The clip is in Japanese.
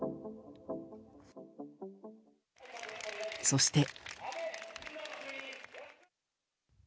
そして。